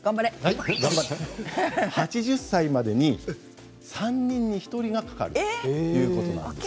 ８０歳までに３人に１人がかかるということなんです。